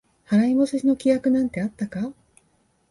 払い戻しの規約なんてあったか？